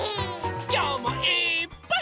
きょうもいっぱい。